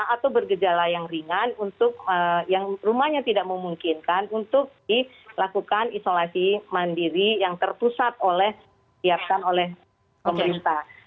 atau bergejala yang ringan untuk yang rumahnya tidak memungkinkan untuk dilakukan isolasi mandiri yang terpusat oleh siapkan oleh pemerintah